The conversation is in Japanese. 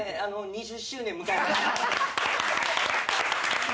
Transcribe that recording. ２０周年迎えました。